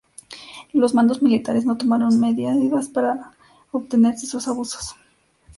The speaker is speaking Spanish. Los mandos militares no tomaron medidas para detener esos abusos.